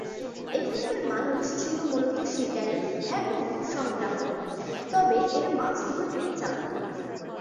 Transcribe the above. এখানকার মানুষ ছিল মূলত শিকারী ও সংগ্রাহক; তবে এরা মাছ ধরতে জানতো।